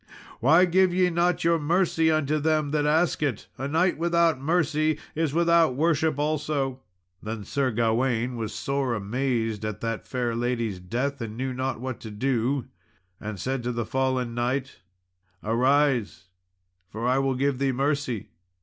Why give ye not your mercy unto them that ask it? a knight without mercy is without worship also." Then Sir Gawain was sore amazed at that fair lady's death, and knew not what to do, and said to the fallen knight, "Arise, for I will give thee mercy."